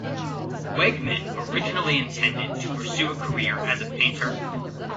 Wegman originally intended to pursue a career as a painter.